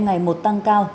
ngày một tăng cao